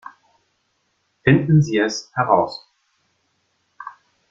Finden Sie es heraus!